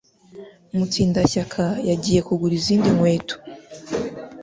Mutsindashyaka yagiye kugura izindi nkweto